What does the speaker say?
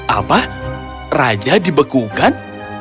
apa raja dibekukan